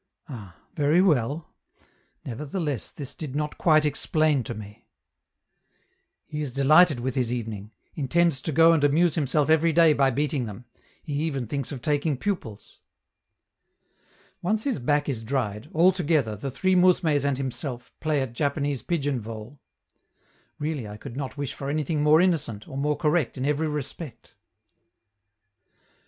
Ah, very well! Nevertheless, this did not quite explain to me! He is delighted with his evening; intends to go and amuse himself every day by beating them; he even thinks of taking pupils. Once his back is dried, all together, the three mousmes and himself, play at Japanese pigeon vole. Really I could not wish for anything more innocent, or more correct in every respect.